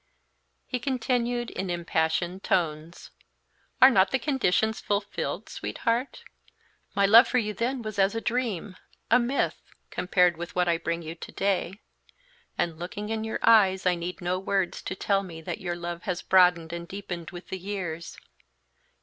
He continued, in impassioned tones: "Are not the conditions fulfilled, sweetheart? My love for you then was as a dream, a myth, compared with that I bring you to day, and looking in your eyes I need no words to tell me that your love has broadened and deepened with the years.